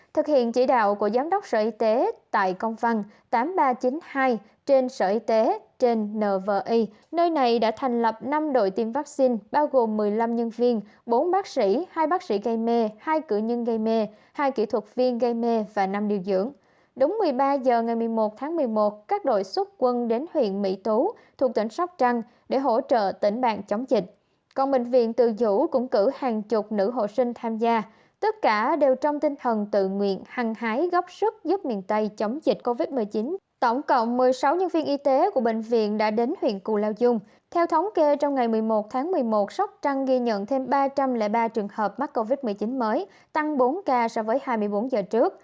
theo thống kê trong ngày một mươi một tháng một mươi một sóc trăng ghi nhận thêm ba trăm linh ba trường hợp mắc covid một mươi chín mới tăng bốn ca so với hai mươi bốn giờ trước